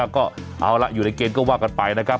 ก็เอาละอยู่ในเกณฑ์ก็ว่ากันไปนะครับ